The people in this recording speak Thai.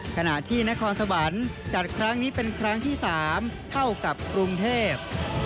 ขณะที่นครสวรรค์จัดครั้งนี้เป็นครั้งที่๓เท่ากับกรุงเทพ